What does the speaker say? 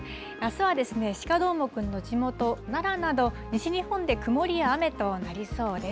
あすは鹿どーもくんの地元、奈良など、西日本で曇りや雨となりそうです。